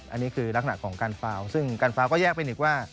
อันนี้คือลักหนักของการเตะที่๗ซึ่งการเตะที่๗ก็แยกเป็นอีกว่า